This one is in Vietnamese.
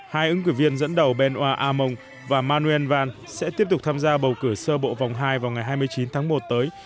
hai ứng cử viên dẫn đầu benoit aymon và manuel vance sẽ tiếp tục tham gia bầu cử sơ bộ vòng hai vào ngày hai mươi chín tháng một tới